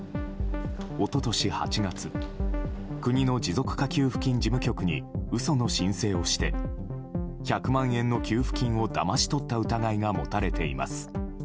一昨年８月国の持続化給付金事務局に嘘の申請をして１００万円の給付金をだまし取った疑いが持たれています。